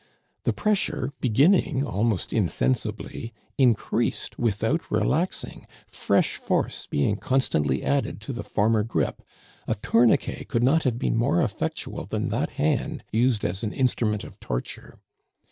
The pressure, beginning almost insensibly, increased without relaxing, fresh force being constantly added to the former grip; a tourniquet could not have been more effectual than that hand used as an instrument of torture.